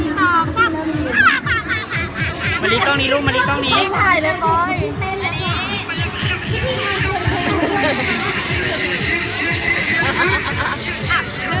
มาไป๑๒๓